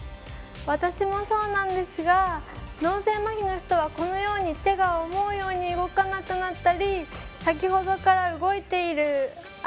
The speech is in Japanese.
私もそうなんですが脳性まひの人は手が思うように動かなくなったり先ほどから動いている足。